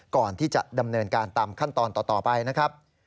ก่อนที่จะดำเนินการตามขั้นตอนต่อไปนะครับ